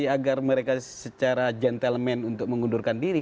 agar mereka secara gentleman untuk mengundurkan diri